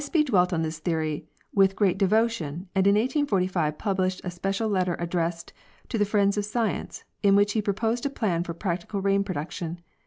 Kspy dwelt on this theory with great devotion, and in 1845 published a special letter addressed "To the Frtends of Science " in which he proposed a plan for practical rain production.